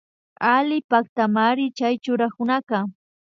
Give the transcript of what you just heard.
Alli paktamanri chay churakunaka